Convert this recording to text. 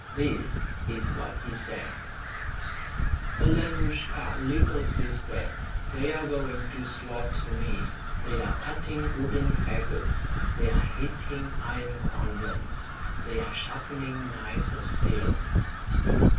This is what he sang: "Alenoushka, little sister, They are going to slaughter me; They are cutting wooden fagots, They are heating iron cauldrons, They are sharpening knives of steel."